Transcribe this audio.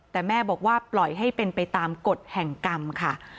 แต่แม่บอกว่าปล่อยให้เป็นไปตามกฎแห่งกรรมค่ะ